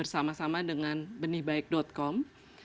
sama sama dengan benihbaik com